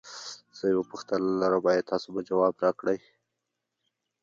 زه یوه پوښتنه لرم ایا تاسو به ځواب راکړی؟